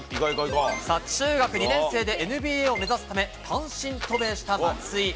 中学２年生でＮＢＡを目指すため、単身渡米した松井。